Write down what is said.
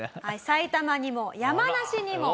埼玉にも山梨にも。